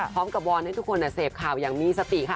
พร้อมกับวอนให้ทุกคนเสพข่าวอย่างมีสติค่ะ